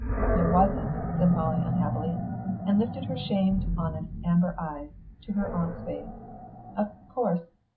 "I wasn't," said Molly unhappily, and lifted her shamed, honest, amber eyes to her aunt's face. "Of course